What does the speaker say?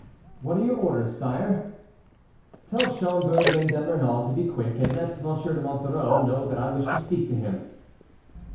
"What are your orders, sire?" "Tell Schomberg and D'Epernon to be quick, and let M. de Monsoreau know that I wish to speak to him."